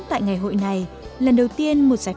để thành một hỗn hợp